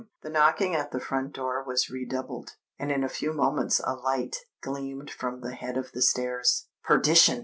The knocking at the front door was redoubled; and in a few moments a light gleamed from the head of the stairs. "Perdition!"